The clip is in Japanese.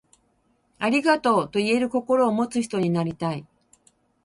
ありがとう、と言える心を持つ人になりたい。